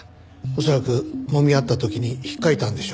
恐らくもみ合った時に引っかいたんでしょうね。